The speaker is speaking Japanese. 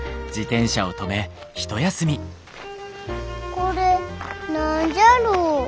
これ何じゃろう？